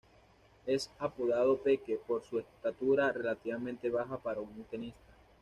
Es apodado "Peque" por su estatura relativamente baja para un tenista.